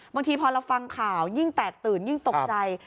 บางทีพอเราฟังข่าวยิ่งแตกตื่นยิ่งตกใจ